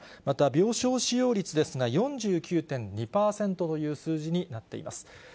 また病床使用率ですが、４９．２％という数字になっています。